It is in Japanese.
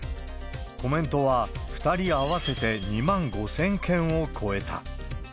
コメントは２人合わせて２万５０００件を超えた。